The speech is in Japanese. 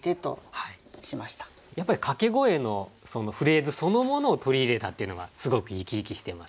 やっぱりかけ声のフレーズそのものを取り入れたっていうのがすごく生き生きしていますね。